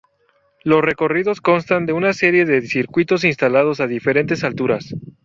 Los recorridos constan de una serie de circuitos instalados a diferentes alturas.